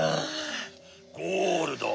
ゴールド。